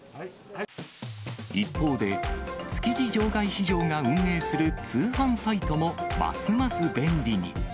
一方で、築地場外市場が運営する通販サイトも、ますます便利に。